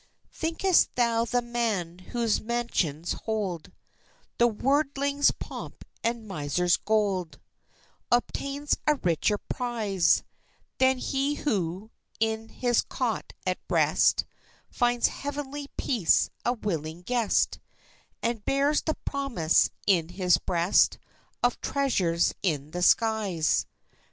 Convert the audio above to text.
] "Thinkest thou the man whose mansions hold The worldling's pomp and miser's gold Obtains a richer prize Than he who, in his cot at rest, Finds heavenly peace a willing guest, And bears the promise in his breast Of treasures in the skies?"